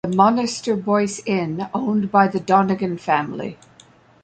The "Monasterboice Inn", owned by the Donegan family.